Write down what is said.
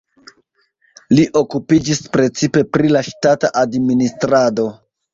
Li okupiĝis precipe pri la ŝtata administrado.